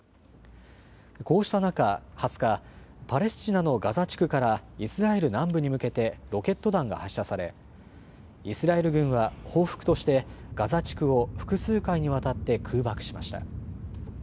こうした中、２０日、パレスチナのガザ地区からイスラエル南部に向けてロケット弾が発射されイスラエル軍は報復としてガザ地区を複数回にわたって空爆しました。